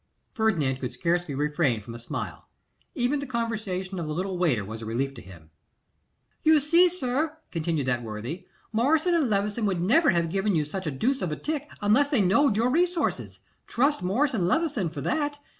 Ferdinand could scarcely refrain from a smile. Even the conversation of the little waiter was a relief to him. 'You see, sir,' continued that worthy, 'Morris and Levison would never have given you such a deuce of a tick unless they knowed your resources. Trust Morris and Levison for that.